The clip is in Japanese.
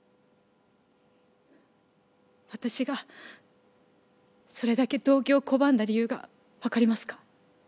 私がそれだけ同居を拒んだ理由がわかりますか？